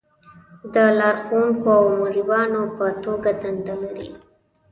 د لارښونکو او مربیانو په توګه دنده لري.